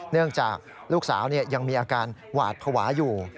เนื่องจากลูกสาวยังมีอาการหวาดภาวะอยู่